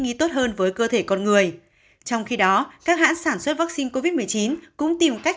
nghi tốt hơn với cơ thể con người trong khi đó các hãng sản xuất vaccine covid một mươi chín cũng tìm cách